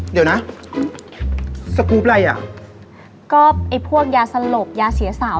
เดี๋ยวนะสกรูปอะไรอ่ะก็ไอ้พวกยาสลบยาเสียสาว